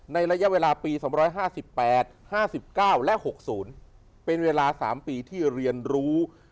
ระยะเวลาปี๒๕๘๕๙และ๖๐เป็นเวลา๓ปีที่เรียนรู้